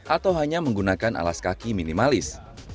atau hanya menggunakan alas kaki minimalis